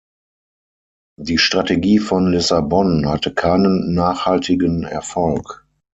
Die Strategie von Lissabon hatte keinen nachhaltigen Erfolg.